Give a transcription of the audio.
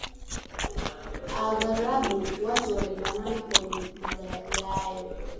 Aghalabu, watu walibanana kwenye magari hayo